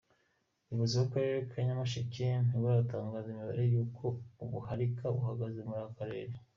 Ubuyobozi bw’Akarere ka Nyamasheke ntubutangaza imibare y’uko ubuharika buhagaze muri aka karere.